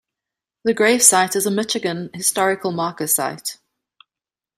The grave site is a Michigan historical marker site.